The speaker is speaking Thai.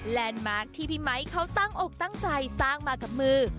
มาร์คที่พี่ไมค์เขาตั้งอกตั้งใจสร้างมากับมือ